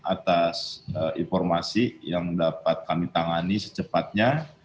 atas informasi yang dapat kami tangani secepatnya